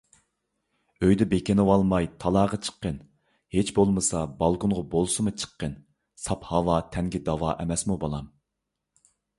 ئۆيدە بېكىنىۋالماي، تالاغا چىققىن. ھىچ بولمىسا بالكۇنغا بولسىمۇ چىققىن، ساپ ھاۋا تەنگە داۋا ئەمەسمۇ بالام.